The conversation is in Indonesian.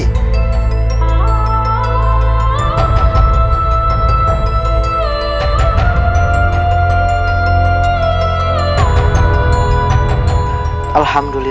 hanya ada mungkin